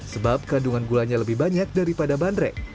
sebab kandungan gulanya lebih banyak daripada bandrek